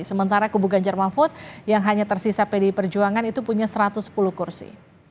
sementara kubu ganjar mafud yang hanya tersisa pdi perjuangan itu punya satu ratus sepuluh kursi